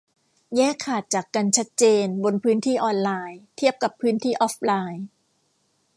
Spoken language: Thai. แยกขาดจากกันชัดเจนบนพื้นที่ออนไลน์ เทียบกับพื้นที่ออฟไลน์